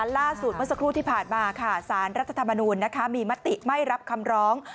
ล่าสุดเมื่อสักครู่ที่ผ่านมาค่ะสารรัฐธรรมนูลมีมติไม่รับคำร้อง